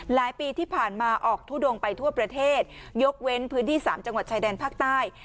ปีที่ผ่านมาออกทุดงไปทั่วประเทศยกเว้นพื้นที่๓จังหวัดชายแดนภาคใต้